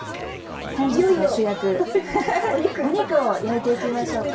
本日の主役お肉を焼いていきましょうか。